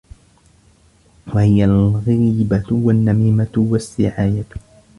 وَهِيَ الْغِيبَةُ وَالنَّمِيمَةُ وَالسِّعَايَةُ